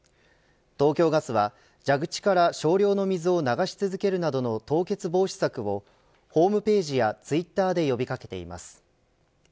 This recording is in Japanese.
東京ガスは蛇口から少量の水を流し続けるなどの凍結防止策をホームページやツイッターで呼び掛けています。